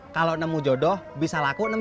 kalau nemu jodoh bisa laku enam